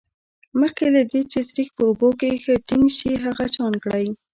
مخکې له دې چې سريښ په اوبو کې ښه ټینګ شي هغه چاڼ کړئ.